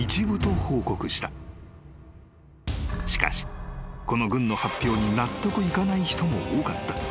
［しかしこの軍の発表に納得いかない人も多かった］